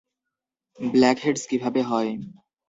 Blackheads কিভাবে হয়?